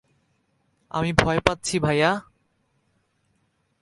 আমি ভয় পাচ্ছি ভাইয়া।